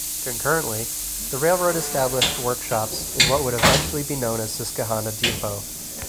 Concurrently the railroad established workshops in what would eventually be known as Susquehanna Depot.